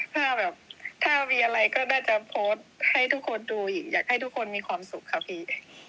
ถ้าแบบถ้ามีอะไรก็น่าจะโพสต์ให้ทุกคนดูอีกอยากให้ทุกคนมีความสุขค่ะพี่